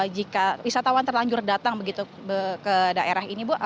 jika wisatawan terlanjur datang begitu ke daerah ini bu